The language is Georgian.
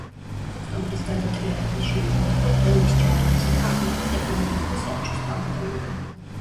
ოქტომბრის გადატრიალების შემდეგ იყო დონის ჯარების მტავრობის ეკონომიკური საბჭოს თავმჯდომარე.